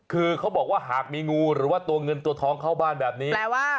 คือเขาบอกว่าหากมีงูหรือว่าตัวเงินตัวทองเข้าบ้านแบบนี้แปลว่า